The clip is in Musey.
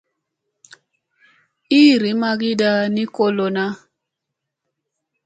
Iiri maygira ni maŋ lona.